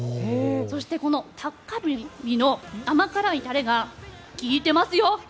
そして、タッカルビの甘辛いタレが効いてますよ。